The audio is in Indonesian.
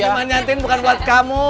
nyamannya tin bukan buat kamu